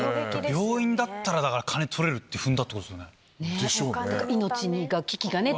病院だったら、金とれるって踏んだってことですよね。でしょうね。